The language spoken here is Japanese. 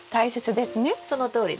そのとおりです。